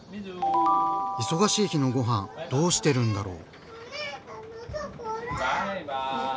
忙しい日のごはんどうしてるんだろう？